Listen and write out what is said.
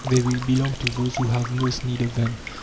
They will belong to those who have most need of them.